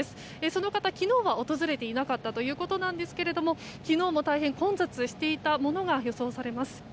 その方、昨日は訪れていなかったということですが昨日も大変混雑していたものが予想されます。